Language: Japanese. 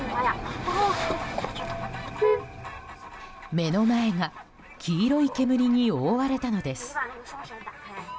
目の前が黄色い煙に覆われたのです。